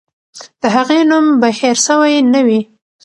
د هغې نوم به هېر سوی نه وي.